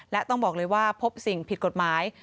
และต้องบอกเลยว่าพบสิ่งผิดกฎหมาย